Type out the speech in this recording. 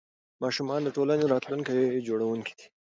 ماشومان د ټولنې راتلونکي جوړوونکي دي.